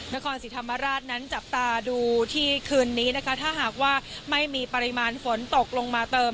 นครศรีธรรมราชนั้นจับตาดูที่คืนนี้นะคะถ้าหากว่าไม่มีปริมาณฝนตกลงมาเติม